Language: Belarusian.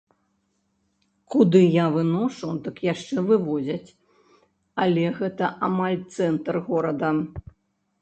Куды я выношу, дык яшчэ вывозяць, але гэта амаль цэнтр горада.